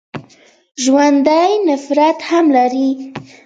ژوندي نفرت هم لري